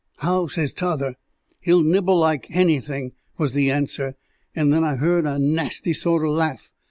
'How?' says t'other. 'He'll nibble like hanything,' was the answer, and then I hearn a nasty sort o' laugh.